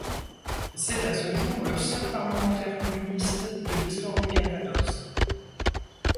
C'est à ce jour le seul parlementaire communiste de l'histoire du Calvados.